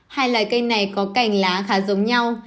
hai loài cây này có cành lá khá giống nhau